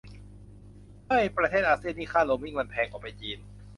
เฮ้ยประเทศอาเซียนนี่ค่าโรมมิ่งมันแพงกว่าไปจีน